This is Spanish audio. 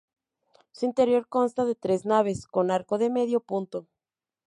Su interior consta de tres naves con arco de medio punto.